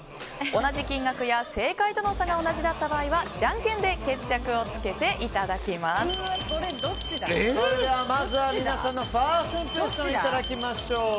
同じ金額や正解との差が同じだった場合はじゃんけんでそれでは、まずは皆さんのファーストインプレッションいただきましょう。